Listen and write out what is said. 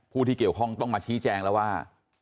ผู้ที่เกี่ยวข้องต้องมาชี้แจงแล้วว่า